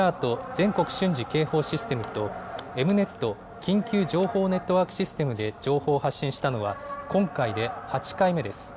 ・全国瞬時警報システムと、エムネット・緊急情報ネットワークシステムで情報を発信したのは今回で８回目です。